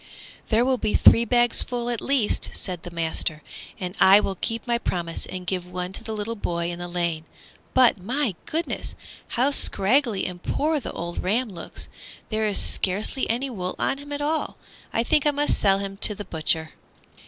"There will be three bagsful at the least," said the master, "and I will keep my promise and give one to the little boy in the lane. But, my goodness! how scraggly and poor the old ram looks. There is scarcely any wool on him at all. I think I must sell him to the butcher!"